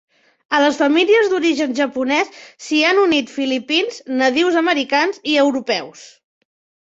A les famílies d'origen japonès s'hi han unit filipins, nadius americans i europeus.